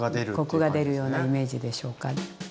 コクが出るようなイメージでしょうか。